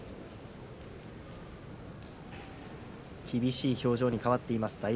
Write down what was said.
厳しい表情に変わっています